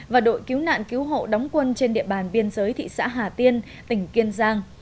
và đội cứu nạn cứu hộ đóng quân trên địa bàn biên giới thị xã hà tiên tỉnh kiên giang